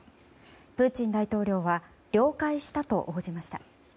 プーチン大統領は了解したと応じました。